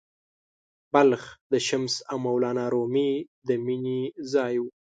بلخ د “شمس او مولانا رومي” د مینې ځای و.